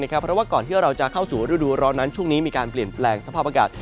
เพราะว่าก่อนที่เราจะเข้าสู่ฤดูร้อนนั้นช่วงนี้มีการเปลี่ยนแปลงสภาพอากาศ